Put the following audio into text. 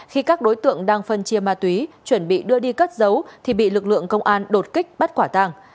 khi các đối tượng đang phân chia ma túy chuẩn bị đưa đi cất giấu thì bị lực lượng công an đột kích bắt quả tàng